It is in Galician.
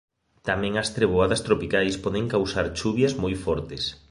Tamén as treboadas tropicais poden causar chuvias moi fortes.